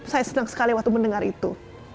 saya senang sekali waktu mendengar itu